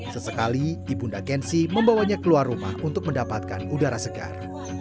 sesekali ibunda kenzi membawanya keluar rumah untuk mendapatkan udara segar